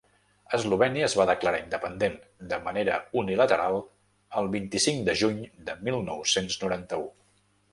Eslovènia es va declarar independent, de manera unilateral, el vint-i-cinc de juny de mil nou-cents noranta-u.